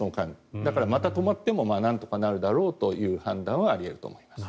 だから、また止まってもなんとかなるだろうという判断はあり得ると思います。